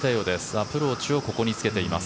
アプローチをここにつけています。